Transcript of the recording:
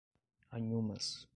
Anhumas